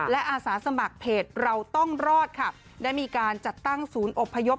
และอาสาสมัครเพจเราต้องรอดค่ะได้มีการจัดตั้งศูนย์อบพยพ